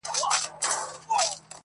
ښه ډېره ښكلا غواړي ،داسي هاسي نه كــيږي.